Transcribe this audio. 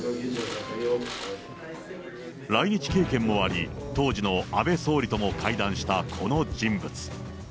来日経験もあり、当時の安倍総理とも会談したこの人物。